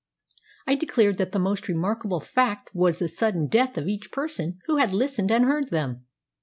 I declared that the most remarkable fact was the sudden death of each person who had listened and heard them.